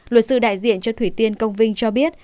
luật sư đại diện cho thủy tiên công vinh cho biết